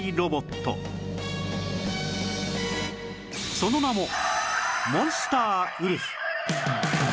その名もモンスターウルフ